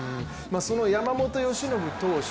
その山本由伸投手